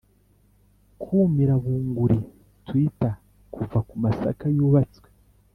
kumira bunguri twitter kuva kumasaka yubatswe,